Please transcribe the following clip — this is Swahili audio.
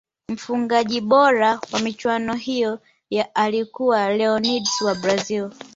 mfungaji bora wa michuano hiyo ya alikuwa leonids wa Brazil